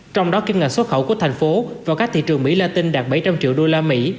trong đó kiếm ngạch xuất khẩu của thành phố và các thị trường mỹ la tinh đạt bảy trăm linh triệu usd